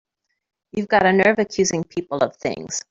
You've got a nerve accusing people of things!